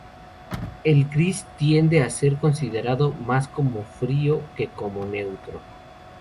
El gris tiende a ser considerado más como frío que como neutro.